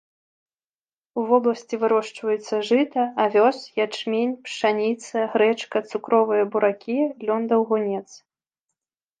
У вобласці вырошчваюцца жыта, авёс, ячмень, пшаніца, грэчка, цукровыя буракі, лён-даўгунец.